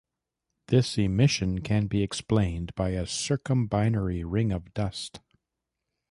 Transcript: This emission can be explained by a circumbinary ring of dust.